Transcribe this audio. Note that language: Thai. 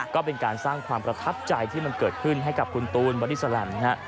ก็เป็นการสร้างความประทับใจที่มันเกิดขึ้นให้กับคุณตูนบอดี้แลมนะฮะ